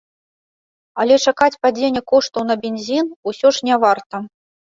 Але чакаць падзення коштаў на бензін усё ж не варта.